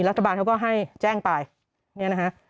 รัฐบาลเขาก็ให้แจ้งไปเนี่ยนะฮะ